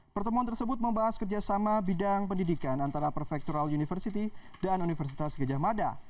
pertemuan tersebut membahas kerjasama bidang pendidikan antara prefektural university dan universitas gejah mada